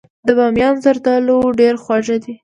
د بامیان زردالو ډیر خواږه دي.